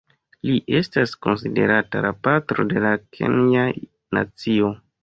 Li estas konsiderata la patro de la kenja nacio.